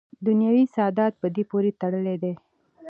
دنیوي سعادت په دې پورې تړلی دی.